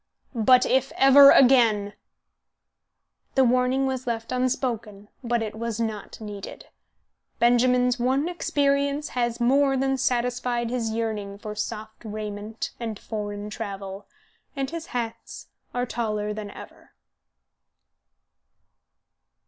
But if ever again " The warning was left unspoken, but it was not needed. Benjamin's one experience has more than satisfied his yearning for soft raiment and foreign travel, and his hats are taller than ever.